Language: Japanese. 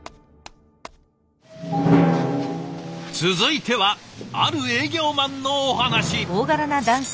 続いてはある営業マンのお話。